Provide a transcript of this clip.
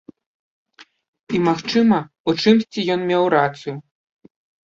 І, магчыма, у чымсьці ён меў рацыю.